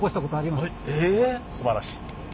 すばらしい。